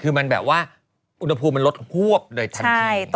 คือมันแบบว่าอุณหภูมิมันลดของภวบโดยธรรมชีวิต